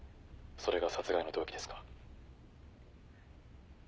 「それが殺害の動機ですか？」